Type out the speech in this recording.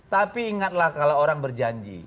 tapi ingatlah kalau orang berjanji